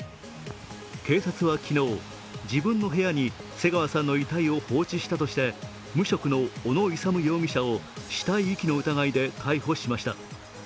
警察は、昨日自分の部屋に瀬川さんの遺体を放置したとして無職の小野勇容疑者を死体遺棄の疑いで逮捕しました。